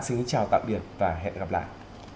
xin chào tạm biệt và hẹn gặp lại